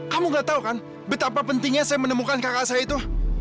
kamu gak tahu kan betapa pentingnya saya menemukan kakak saya itu